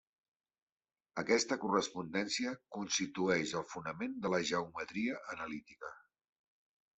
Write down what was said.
Aquesta correspondència constitueix el fonament de la geometria analítica.